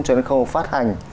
cho đến khâu phát hành